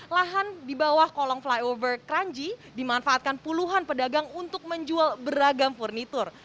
lahan di bawah kolong flyover kranji dimanfaatkan puluhan pedagang untuk menjual beragam furnitur